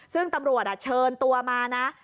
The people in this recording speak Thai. ซึ่งตำรวจเชิญตัวมานะ